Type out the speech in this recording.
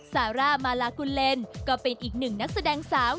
ซาร่ามาลากุลเลนก็เป็นอีกหนึ่งนักแสดงสาว